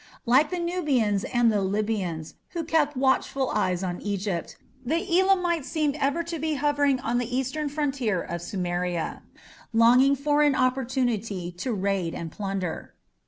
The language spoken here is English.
Like the Nubians and the Libyans, who kept watchful eyes on Egypt, the Elamites seemed ever to be hovering on the eastern frontier of Sumeria, longing for an opportunity to raid and plunder.